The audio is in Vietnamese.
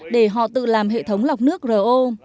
để họ tự làm hệ thống lọc nước ro